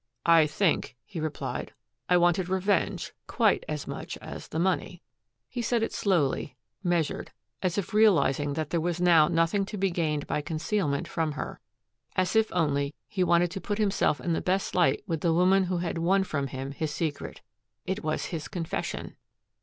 "I think," he replied, "I wanted revenge quite as much as the money." He said it slowly, measured, as if realizing that there was now nothing to be gained by concealment from her, as if only he wanted to put himself in the best light with the woman who had won from him his secret. It was his confession!